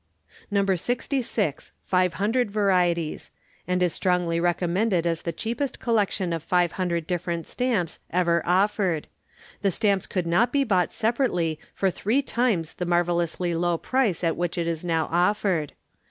66, 500 VARIETIES, And is strongly recommended as the cheapest collection of 500 different Stamps ever offered the Stamps could not be bought separately for three times the marvellously low price at which it is now offered.